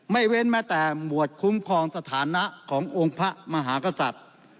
เว้นแม้แต่หมวดคุ้มครองสถานะขององค์พระมหากษัตริย์